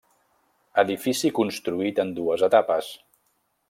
Edifici construït en dues etapes.